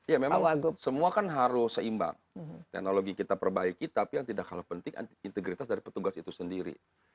ya memang semua kan harus seimbang teknologi kita perbaiki tapi yang tidak kalah penting integritas dari petugas itu sendiri